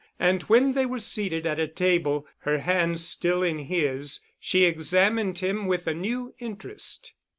And when they were seated at a table, her hand still in his, she examined him with a new interest.